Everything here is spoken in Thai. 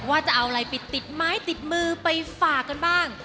ว่าจะเอาอะไรไปติดไม้ติดมือไปฝากกันบ้าง